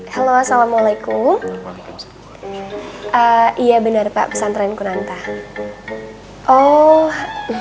halo assalamualaikum iya benar pak pesantren kunanta oh